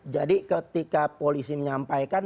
jadi ketika polisi menyampaikan